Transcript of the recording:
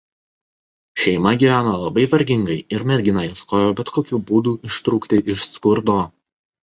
Šeima gyveno labai vargingai ir mergina ieškojo bet kokių būdų ištrūkti iš skurdo.